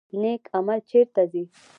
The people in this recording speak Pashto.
نیک عمل چیرته ځي؟